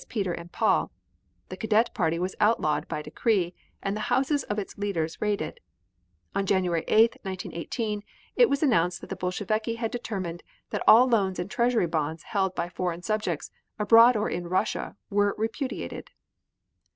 Peter and Paul; the Cadet Party was outlawed by decree and the houses of its leaders raided. On January 8, 1918, it was announced that the Bolsheviki had determined that all loans and Treasury bonds held by foreign subjects, abroad or in Russia, were repudiated.